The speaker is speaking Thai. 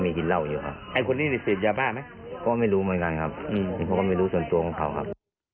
มาหายายเหรอเพราะเขาไม่เคยมาครับ